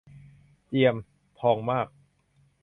เจียม ทองมาก